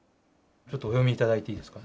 ちょっとお読み頂いていいですか。